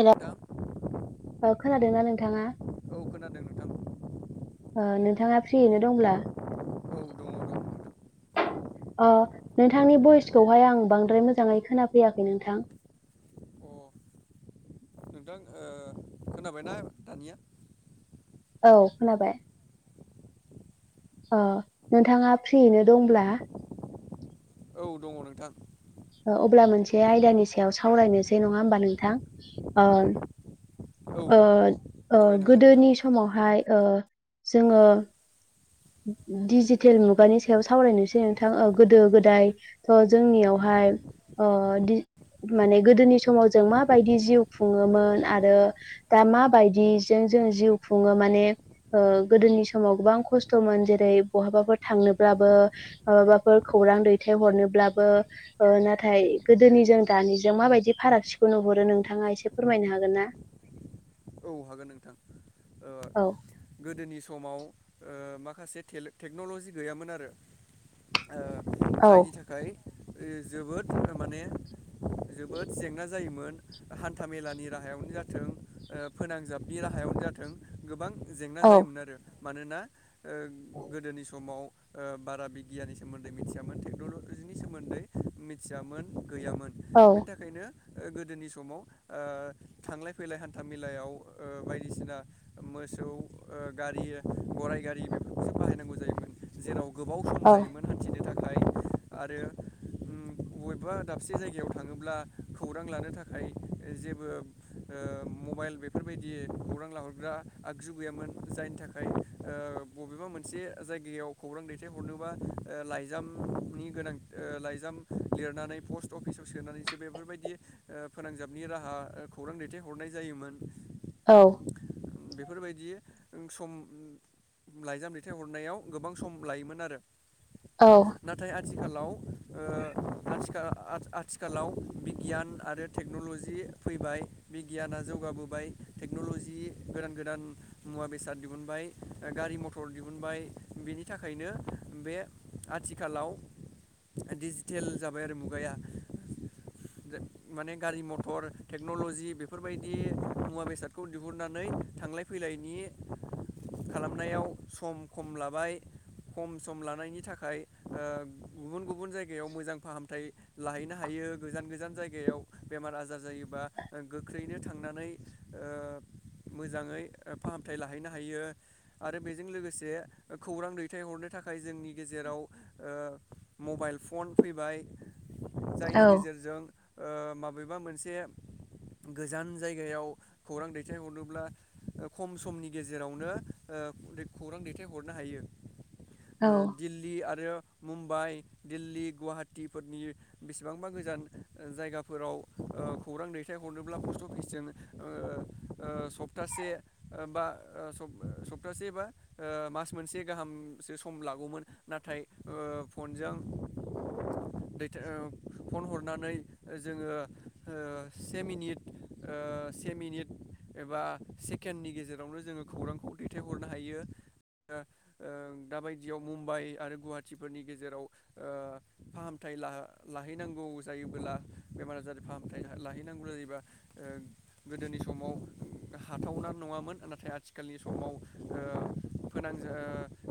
हेल' नोंथां औ खोनादोंना नोंथाङा औ खोनादों नोंथां नोंथाङा फ्रियैनो दंब्ला औ दङ दङ नोंथां अ नोंथां अ नोंथांनि भइसखौहाय आं बांद्राय मोजाङै खोनाफैयाखै नोंथां नोंथां ओ खोनाबायना दानिया औ खोनाबाय अ नोंथाङा फ्रियैनो दंब्ला औ दङ नोंथां अब्ला मोनसे आयदानि सायाव सावरायनोसै नङा होमबा नोंथां ओ औ ओ- ओ सावरायनो हागोन नोंथां गोदोनि समावहाय ओ जोङो दिजिटेल मुगानि सायाव सावरायनोसै नोंथां ओ गोदो- गोदाय थ' जोंनियावहाय अ माने गोदोनि समाव जों माबायदि जिउ खुङोमोन आरो दा माबायदि जों जों जिउ खुङो माने गोदोनि समाव गोबां खस्थ' स्थ'मोन जेरै बहाबाफोर थांनोब्लाबो माबाफोर खौरां दैथायहरनोब्लाबो ओ नाथाय गोदोनिजों दानिजों माबायदि फारागथिखौ नुहरो नोंथाङा एसे फोरमायनो हागोन ना [unintelligible] औ हागोन नोंथां ओ औ गोदोनि समाव ओ माखासे टेक्न'ल'जि गैयामोन आरो ओ औ जायनि थाखाय जोबोद माने जोबोद जेंना जायोमोन हान्था - मेलानि राहाय सायावनो जाथों फोनांजाबनि राहायावनो जाथों गोबां जेंना औ जायोमोन आरो मानोना ओ गोदोनि समाव ओ बारा बिगियाननि सोमोन्दै मिथियामोन टेक्न'लजिनि सोमोन्दै मिथियामोन गैयामोन औ बेनि थाखायनो गोदोनि समाव थांलाय - फैलाय हान न्थामेलायाव ओ बायदिसिना मोसौ ओ गारि गराइ गारि बेफोरखौ बाहायनांगौ जायोमोन जेराव गोबाव सम औ लायोमोन हान्थिनो थाखाय आरो बबेबा दाबसे जायगायाव थाङोब्ला खौरां लानो थाखाय जेबो ओ मबाइल बेफोरबायदि खौरां लाहरग्रा आगजु गैयामोन जायनि थाखाय ओ बबेबा मोन मोनसे जायगायाव खौरां दैथायहरनोबा लाइजामनि गोनां ओ लाइाम देरनानै पस्ट अफिसाव सोनानैसो बेफोरबायदि ओ फोनांजाबनि राहा खौरां दैथायहरनाय जायोमोन औ बेफोरबायदि सम लाइजाम दैथाइ हरनायाव गोबां सम लायोमोन आरो औ नाथाय आथिखालाव ओनसोलाव आसा आथिखालाव बिगियान आरो टेक्न'लजि फैबाय गियाना जौगाबोबाय टेक्न'ल'जि गोदान गोदान मुवा बेसाद दिहुनबाय गारि मथर दिहुनबाय बेनि थाखायनो बे आथिखालाव दिजिटेल जाबाय आरो मुगाया माने गारि, मथर टेक्न'ल'जि बे बेफोरबायदि मुवा- बेसादखौ दिहुननानै थांलाय फैलायन खालामनायाव सम खम लाबाय खम सम लानायनि थाखाय ओ गुबुन गुबुन गुबुन जायगायाव मोजां फाहामथाय लाहैनो हायो गोजान- गोजान जायगायाव बेमार आजार योबा गोख्रैनो थांनानै ओ मोजाङै फाहामथाय लाहैनो हायो आरो बेजों लोगोसे खौरां दैथायहरनो थाखाय जोंनि गेजेराव ओ मबाइल फन फैबाय। जायनि गेजेरजों ओ माबेबा मोनसे गोजान जायगायाव खौरां दैथायहरनोब्ला खम समनि गेजेरावनो ओ खौरां दैथायहरनो हायो। ओ औ दिल्ली आरो मुम्बाइ दिल्ली गुवाहाटीफोरनि बेसेबांबा गोजान जायगाफोराव ओ ओ खौरां दैथाय हरनोब्ला पस्ट अफिसजों ओ ओ सप्तासे एबा सब सब से बा मास मोनसे गाहामसो सम लागौमोन नाथाय ओ फनजों [inaudible] देथाय फन हरनानै जोङो ओ से मिनिट ओ से मिनिट एबा सेकेन्डनि गेजेरावनो जोङो खौरांखौ दैथायहरनो हायो। ओ दाबायदियाव मुम्बाइ आरो गुवाहाटीफोरनि गेजेराव ओ फाहामथाय ला लाहै नांगौ जायोब्ला बेमार आजार फाहामथाय लाहै जायोबा ओ गोदोनि समाव हाथावना नङामोन नाथाय आथिखालनि समाव ओ फोनांजा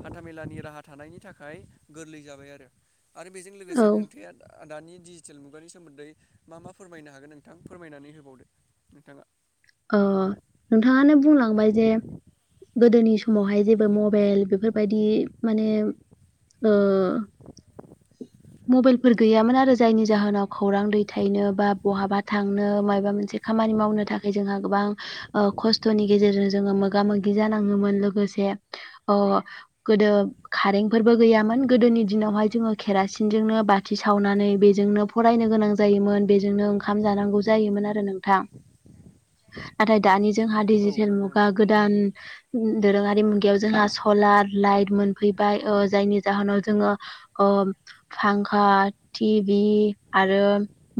हान्थामेलानि राहा थानायनि थाखाय गोरलै जाबाय आरो आरो बेजों लोगोसे औ नोंथाङा दानि डिजिटेल मुगानि सोमोन्दै मा मा फोरमायनो हागोन नों फोरमायनानै होबावदो नोंथाङा ओ नोंथाङानो बुंलांबाय जे गोदोनि समावहाय जेबो मबेल बेफोरबायदि माने ओ। मबाइलफोर गैयामोन आरो जायनि जाहोनाव खौरां दैथायनो बा बहाबा थांनो माबा मोनसे खा खामानि मावनो था जोंहा गोबां ओ खस्थ'नि गेजेरजों जोङो मोगा मोगि जानाङोमोन लोगोसे ओ गोदो खारेनफोरबो गैयामोन गोदोनि दिनावह जों केेरासिन जोंनो बाथि साव नानै बेजोंनो फरायनो गोनां जायोमोन बेजोंनो ओंखाम जानांगौ जायोमोन आरो नोंथां। नाथाय दानि जोंहा औ दिडजिटेल नंगौ मुगा नोंथां गोदान दोरोङारि मुगायाव जोंहा सलार लाइट मोनफैबाय ओ जायनि जाहोनाव जोङो ओ फांखा टिभि आरो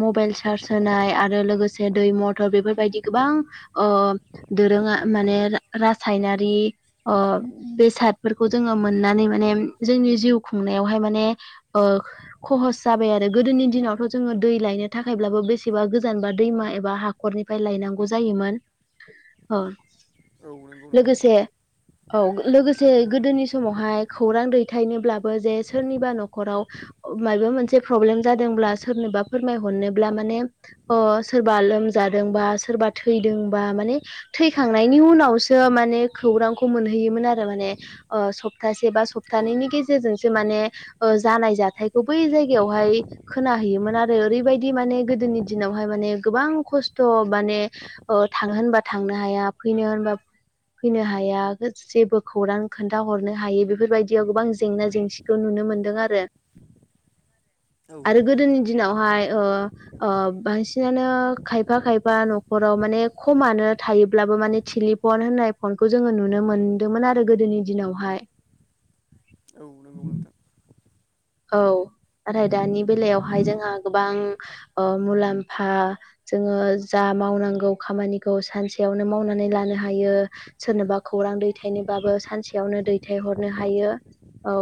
मबेल सार्ज होनाय आरो लोगोसे दै मथर बेफोरबायदि गोबां ओ दोरोङा माने रासायनारि ओ बेसाद बेसादफोरखौ जोङो मोननानै माने जोंनि जिउ खुंनायावहाय माने ओ खहस जा आरो गोदोनि दिनावथ' जोङो दै लायनो थाखायब्लाबो बेसेबा गोजानबा दैमा एबा हाखरनिफ्राय लायनां जायोमोन ओ। औ नंगौ नोंथां। औ लोगोसे गोदोनि समावहाय खौरां दैथायनोब्लाबो जे सोरनिबा न'खराव माबा मोनसे प्रब्लेम जादोंब्ला सोरनोबा फोरमायहरनोब्ला माने ओ सोरबा लोम जादोंबा सोरबा थैदोंबा माने थैखांनायनि उनावसो माने खौरांखौ मोनहैयोमोन आरो माने ओ सप्तासे बा औ सप्तानैैनि गेजेरजों सो माने ओ जानाय जाथायखौ बै जायगायावहाय खोनाहैयोमोन आरो ओरैबायदि माने गोदोनि दिनावहाय माने गोबां खस्थ' माने ओ थांनो होनबा थांनो हाया फैनो होनबा फैनो हाया जेबो खौरां खोन्थाहरनो हायि बेफोरबायदियाव गोबां जेंना जेंसिखौ नुनो नुनो मोनदों आरो औ आरो नंगौ गोदोनि नोंथां दिनावहाय ओ ओ बांसिनानो खायफा खायफा न'ख खराव माने खमानो थायोब्लाबो माने टेलिफन होननाय फनखौ जोङो नुनो मोन्दोंमोन आरो गोदोनि नि दिनावहाय। औ नंगौ नोंथां। औ। नाथाय दानि बेलायावहाय जोंहा गोबां ओ मुलाम्फा जोङो जा मावनांगौ खामानिखौ सानसेयावनो मावनानै लानो हायो सोरनोबा खौरां दैथायनो बाबो सानसेयावनो दैथायहरनो हायो औ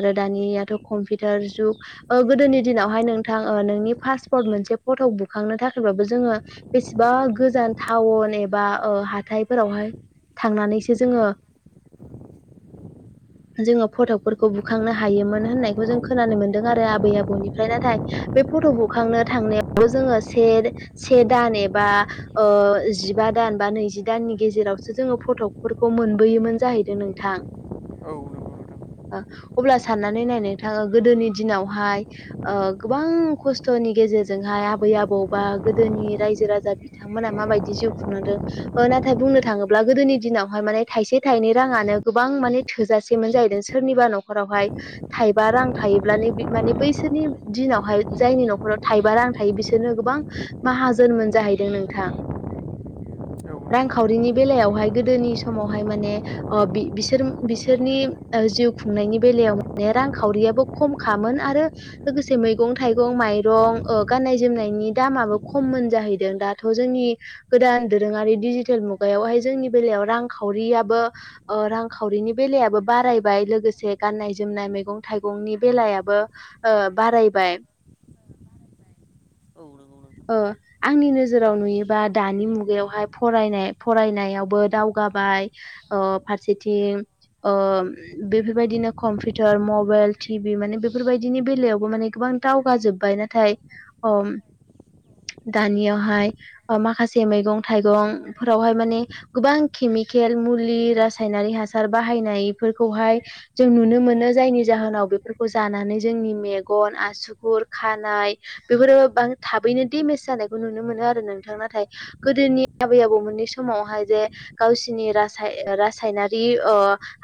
आरो दानियाथ' कम्पिउटार जुग ओ गोदोनि दिनावहाय नोंथां ओ नोंनि पासपर्ट मोनसे फट' बुखांनो थाखाय बो जोङो बेसेबा गोजान टाउन एबा ओ हाथायफोरावहाय थांनानैसो जोङो जोङो फटकफोरखौ बुखांनो हायोमोन होननाय औ जों खोनानो मोन्दों आरो आबै आबौनिफ्राय नाथाय बे फट' बुखांनो थांनायावबो जोङो से से दान एबा ओ जिबा दान बा नैजि दाननि गेजेरावसो जोङो फटकफोरख खौ मोनबोयोमोन जाहैदों नोंथां। औ नोंगौ नों ओ अब्ला साननानै नायनाय? थां गोदोनि दिनावहाय ओ गोबां खस्थ'नि गेजेरजोंहाय आबै आबौ बा गोदोनि रायजो राजा बिथांमोना माबायदि जिउ खुंनांदों नाथाय बुंनो थाङोब्ला गोदोनि दिनावहाय माने थायसे, थायनै रांआनो गोबां माने थोजासेमोन जाहैदो सोरनिबा न'खरावहाय थाय बा रां थायोब्लानो बि माने बैसोरनि दिनावहाय जायनि न'खराव थायबा रां थायो बिसोरनो गोबां माहाजोनमोन जाहैदों नोंथां। नोंथां रांखावरिनि बेलायावहाय गोदोनि समावहाय माने अ बि-बिसोर बिसोरनि ओ जिउ खुंनायनि बेलायाव माने रां खावरियाबो खम खामोन आरो लोगोसे मैगं थाइगं माइरं गान्नाय जोमनायनि दाम माबो खममोन जाहैदों दाथ' जोंनि गोदान दोरोङारि डिजिटेल मुगायावहाय जोंनि बेलायाव रां रांखावरियाबो ओ रांखावरिनि बेलायाबो बारायबाय लोगोसे गान्नाय जोमनाय मैगं थाइगंनि बेलायाबो ओ बारायबाय। औ नोंगौ। ओ आंनि नोजोराव नुयोबा दानि मुगायावहाय फरायनाय फरायनायावबो दावगा बाय ओ फारसेथिं ओम बेफोरबायदिनो कम्पिउटार मबाइल टि भि माने बेफोरबायदिनि बेलायावबो माने गोबां दावगा जोबबाय नाथाय ओम दानियावहाय ओ माखासे मैगं थाइगं फोरावहाय माने गोबां खेमि केमिकेल मुलि रासायनारि हासार बाहायनाय फोरखौहाय जों नुनो मोनो जायनि जोनाव बेफोरखौ जानानै जोंनि मेगन आसुगुर खानाय बेफोरबो बां थाब बैनि देमेज जानायखौ नुनो मोनो आरो नोंथां नाथाय गोदोनि आबै आबौ मोननि समावहाय जे गावसिनि रासाय रासायनारि ओ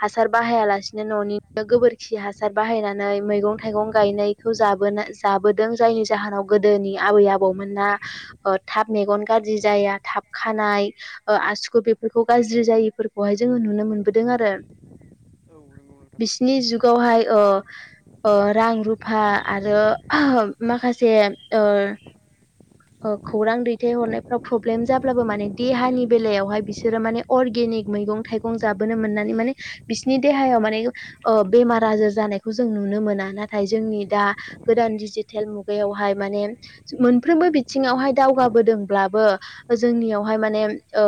हासार बाहाया लासिनो न'निनो गोबोरखि हास सार बाहायनानै मैगं थाइगं गायनायखौ जाबोना जाबोदों जायनि जाहोनाव गोदोनि आबै आबौमोना ओ थाब मेगन गाज्रि जाया थाब खानाय ओ आसुगु बेफोर बेखौ गाज्रि जायैफोरखौहाय जोङो नुनो मोनबोदों आरो औ नंगौ नोंथां बिसिनि जुग गाव हाय अ ओ रां रुफा आरो माखासे ओ ओ खौरां दैथाय हरनायफ्राव प्रब्लेम जाब्लाबो माने देहानि बेलायावहाय बिसोरो माने अर्गेनिक मैगं थाइगं जोबोनो मोननानै माने बिसोरनि देहायाव माने ओ बेमार आजार जानायखौ जों नुनो मोना नाथाय जोंनि दा गोदान दिजिटेल मुगायावहाय माने मोनफ्रोमबो बिथिङावहाय दावगाबोदोंब्लाबो जोंनियावहाय माने‌ ओ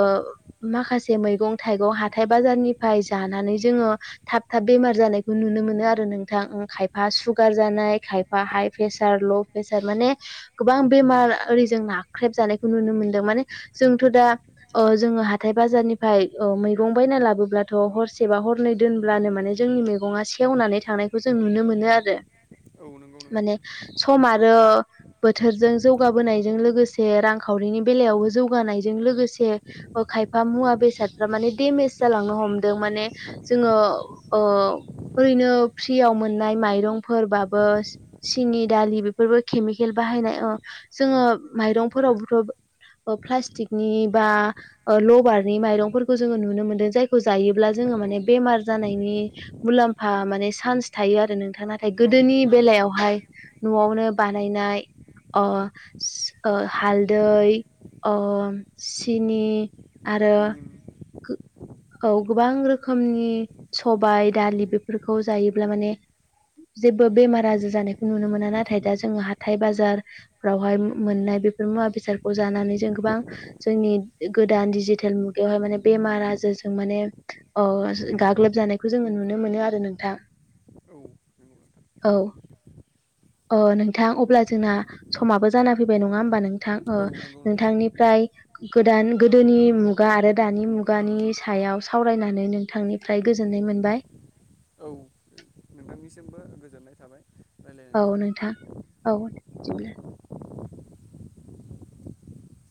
माखासे मैगं थाइगं हाथाय बाजारनिफ्राय जानानै जोङो थाब थाब बेमार जानायखौ नुनो मो नों आरो उम नोंथां खायफा सुगार जानाय खायफा हाइ प्रेसार ल' प्रेसार माने गोबां बेमार ओरै जों नाख्रेब जानायखौ नुनो मोनदों माने जोंथ' दा ओ जोङो हाथाय - बाजारनिफ्राय औ मैगं बायना लाबोब्लाथ' हरसेबा हरनै दोनब्लानो माने जोंनि मैगङा सेव नानै थांनायखौ जों नुनो मोनो आरो औ नंगौ नोंथां माने सम आरो बोथोरजों जौगाबोनायजों लोगोसे रांखावरिनि बेलायावबो जौगानायजों लोगोसे ओ खयफा मुवा बेसादफोरा माने देमेज जालांनो हदों माने जोङो ओ ओरैनो फ्रिआव मोननाय माइरंफोरबाबो सि-सिनि दालि बेफोरबो केमिकेल केल बाहायनाय ओ जोङो माइरंफोरावबोथ' ओ फ्लास्टिकनि बा ओ लबारनि माइरंफोरखौ जोङो नुनो मोनदो जायखौ जायोब्ला जोङो औ नंगौ नोंथां औ माने बेमार जानायनि मुलाम्फा माने चान्स थायो आरो नों थां नाथाय औ गोदोनि नंगौ नोंथां बेलायावहाय न'आवनो बानायनाय अ अ सो हालदै ओ सिनि आरो निम औ गोबां रोखोमनि सबाइ दालि बेफोरखौ जायोब्ला माने जेबो बेमार आजार जानायखौ नुनो मोना नाथाय दा जो जोङो हाथाय बाजारफ्रावहाय मोननाय बेफोर मुवा बेसादखौ जानानै जों गोबां जोंनि गोदान डिजिटेल मुगायावहाय माने बेमार आजारजों माने अ आजो गाग्लोबजानायखौ जोङो नुनो मोनो आरो नोंथां। औ नंगौ नोंथां औ अ नों था अब्ला जोंना समाबो जाना फैबाय नङा होमबा नोंथां ओ औ नंगौ नोंथां नोंथांनिफ्राय गोदान गोदोनि मुगा आरो दानि मुगानि सायाव सावरायनानै नोंथांनिफ्राय गोजोन नाय मोनबाय। औ नोंथांनिसिमबो गोजोननाय थाबाय। रायलायनायनि औ थाखाय नोंथां औ दिब्ला